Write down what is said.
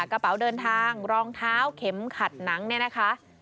กระเป๋าเดินทางรองเท้าเข็มขัดหนังเนี่ยนะคะ